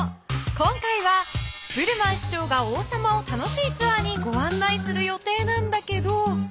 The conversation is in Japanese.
今回はブルマン市長が王様を楽しいツアーにごあんないする予定なんだけど。